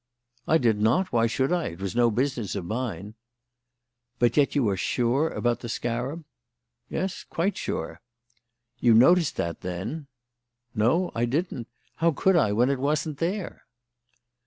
"I did not. Why should I? It was no business of mine." "But yet you are sure about the scarab?" "Yes, quite sure." "You noticed that, then?" "No, I didn't. How could I when it wasn't there?"